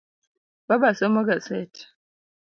Baba somo gaset.